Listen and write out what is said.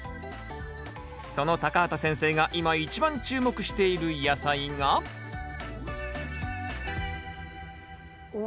その畑先生が今一番注目している野菜がお！